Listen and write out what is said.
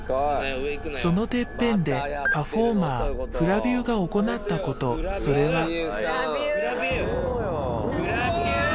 そのてっぺんでパフォーマーフラビウが行ったことそれはフラビウフラビウ！